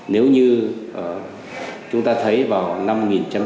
nếu như chúng ta thấy vào năm một nghìn chín trăm tám mươi